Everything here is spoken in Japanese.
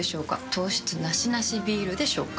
糖質ナシナシビールでしょうか？